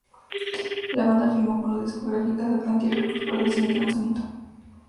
La banda firmó con la discográfica "Atlantic Records" para su siguiente lanzamiento.